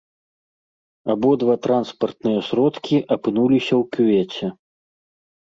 Абодва транспартныя сродкі апынуліся ў кювеце.